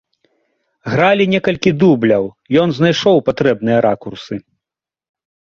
Гралі некалькі дубляў, ён знайшоў патрэбныя ракурсы.